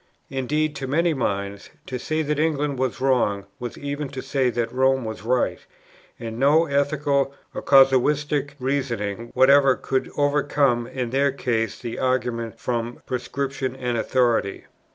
Indeed, to many minds, to say that England was wrong was even to say that Rome was right; and no ethical or casuistic reasoning whatever could overcome in their case the argument from prescription and authority.